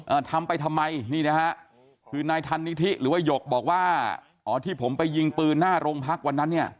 ทำไปทำไมนี่นะฮะคือนายทันนิธิหรือว่าหยกบอกว่าอ๋อที่ผมไปยิงปืนหน้าโรงพักวันนั้นเนี่ย